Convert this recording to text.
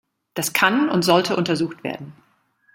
Das kann und sollte untersucht werden.